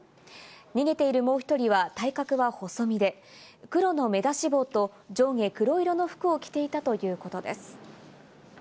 逃げているもう１人は体格は細身で、黒の目出し帽と上下黒色の服を着ていたということです。